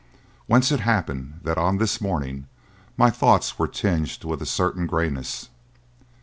Whence it happened that on this morning my thoughts were tinged with a certain greyness.